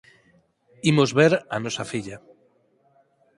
Imos ver á nosa filla.